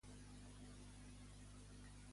Les monges renyien el Lalí?